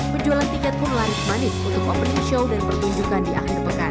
penjualan tiket pun laris manis untuk opening show dan pertunjukan di akhir pekan